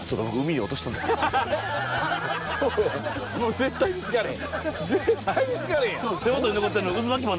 絶対見つかれへんやん。